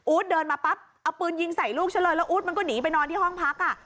เดินมาปั๊บเอาปืนยิงใส่ลูกฉันเลยแล้วอู๊ดมันก็หนีไปนอนที่ห้องพักอ่ะ